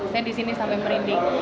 saya disini sampai merinding